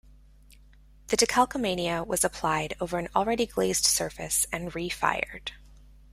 The decalcomania was applied over an already-glazed surface and re-fired.